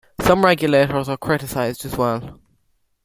Some regulators are criticized, as well.